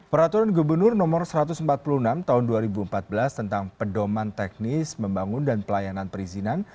peraturan gubernur no satu ratus empat puluh enam tahun dua ribu empat belas tentang pedoman teknis membangun dan pelayanan perizinan